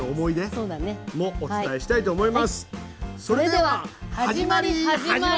それでは始まり始まり。